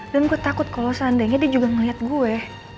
dan gue takut kalo seandainya dia juga ngeliat gue